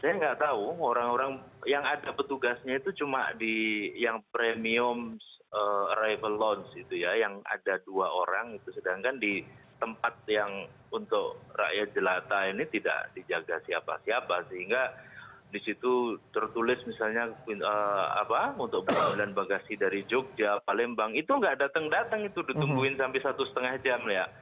saya nggak tahu orang orang yang ada petugasnya itu cuma di yang premium arrival lounge gitu ya yang ada dua orang itu sedangkan di tempat yang untuk rakyat jelata ini tidak dijaga siapa siapa sehingga di situ tertulis misalnya apa untuk perawilan bagasi dari jogja palembang itu nggak datang datang itu ditungguin sampai satu setengah jam ya